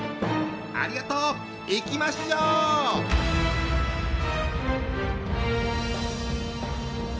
ありがとう！いきましょう！